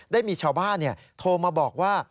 ได้มีชาวบ้านโทรมาบอกว่า